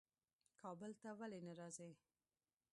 کابل ته ولي نه راځې؟